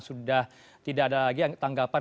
sudah tidak ada lagi tanggapan